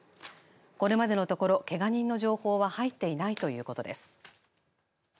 これまでのところけが人の情報は入っていないということです。